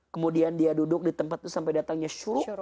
kemudian dia duduk di tempat itu sampai datangnya syur